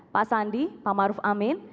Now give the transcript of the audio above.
pak sandi pak maruf amin